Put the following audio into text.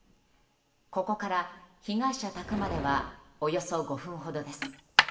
ここから被害者宅まではおよそ５分ほどです。